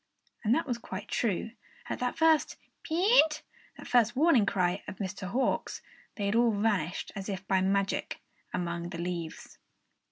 And that was quite true! At that peent that first warning cry of Mr. Nighthawk's, they had all vanished as if by magic, among the leaves.